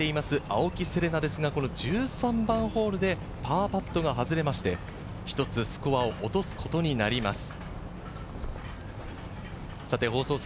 青木瀬令奈ですが、１３番ホールでパーパットが外れまして、１つスコアを落とすことになります。